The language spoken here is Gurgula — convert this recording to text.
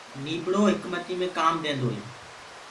نيٚڀڙو هڪمتيٚ مي ڪآم دينٚدو هي